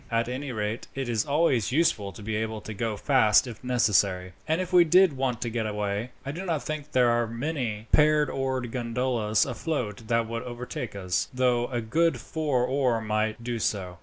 "At any rate it is always useful to be able to go fast if necessary, and if we did want to get away, I do not think there are many pair oared gondolas afloat that would overtake us, though a good four oar might do so.